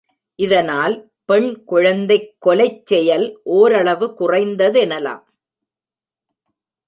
இதனால் பெண் குழந்தைக் கொலைச் செயல் ஓரளவு குறைந்ததெனலாம்.